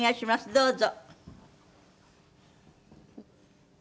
どうぞ。